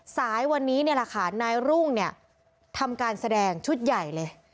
สายวันนี้เนี่ยแหละค่ะนายรุ่งเนี่ยทำการแสดงชุดใหญ่เลย